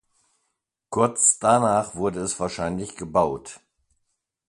Kurz danach wurde es wahrscheinlich gebaut.